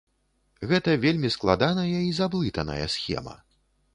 Гэта вельмі складаная і заблытаная схема.